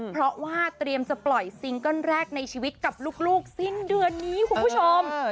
เพราะว่าเตรียมจะปล่อยซิงเกิ้ลแรกในชีวิตกับลูกสิ้นเดือนนี้คุณผู้ชม